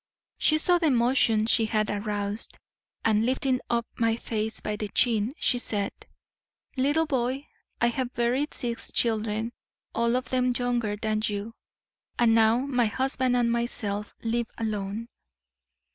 She saw the emotion she had aroused, and lifting up my face by the chin, she said: 'Little boy, I have buried six children, all of them younger than you, and now my husband and myself live alone.